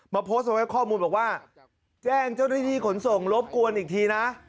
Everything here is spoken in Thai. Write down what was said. โพสต์เอาไว้ข้อมูลบอกว่าแจ้งเจ้าหน้าที่ขนส่งรบกวนอีกทีนะ